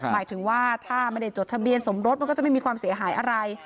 หมายถึงว่าถ้าไม่ได้จดทะเบียนสมรสมันก็จะไม่มีความเสียหายอะไร